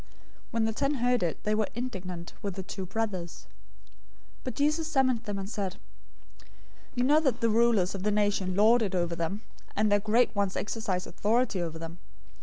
020:024 When the ten heard it, they were indignant with the two brothers. 020:025 But Jesus summoned them, and said, "You know that the rulers of the nations lord it over them, and their great ones exercise authority over them.